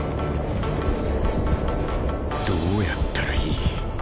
どうやったらいい？